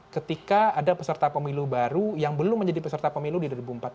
ketika ada peserta pemilu baru yang belum menjadi peserta pemilu di dua ribu empat belas